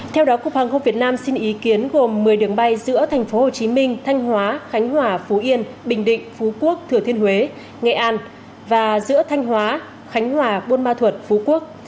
theo đó cục hàng không việt nam xin ý kiến gồm một mươi đường bay giữa thành phố hồ chí minh thanh hóa khánh hòa phú yên bình định phú quốc thừa thiên huế nghệ an và giữa thanh hóa khánh hòa buôn ma thuật phú quốc